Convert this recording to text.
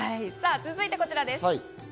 続いてこちらです。